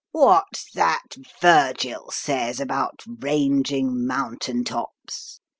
"What's that Virgil says about ranging mountain tops?"